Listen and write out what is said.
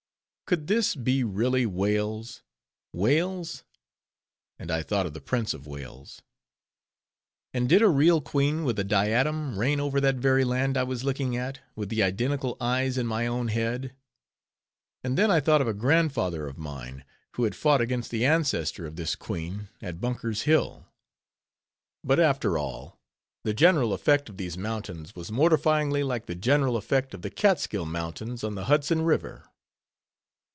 Could this be really Wales?—Wales?—and I thought of the Prince of Wales. And did a real queen with a diadem reign over that very land I was looking at, with the identical eyes in my own head?—And then I thought of a grandfather of mine, who had fought against the ancestor of this queen at Bunker's Hill. But, after all, the general effect of these mountains was mortifyingly like the general effect of the Kaatskill Mountains on the Hudson River.